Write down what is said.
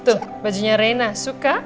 tuh bajunya reyna suka